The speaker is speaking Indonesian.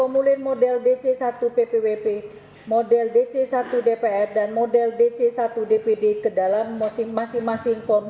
dua melakukan penjumlahan terhadap data data yang tercantum dalam masing masing